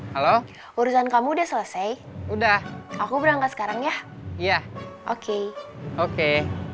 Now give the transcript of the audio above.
halo halo urusan kamu udah selesai udah aku berangkat sekarang ya iya oke oke